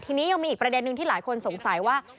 ทีนี้ยังมีอีกประเด็นนึงที่หลายคนสงสัยว่า